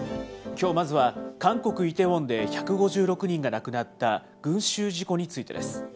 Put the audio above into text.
きょうまずは、韓国・イテウォンで１５６人が亡くなった群集事故についてです。